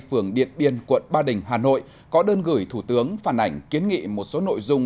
phường điện biên quận ba đình hà nội có đơn gửi thủ tướng phản ảnh kiến nghị một số nội dung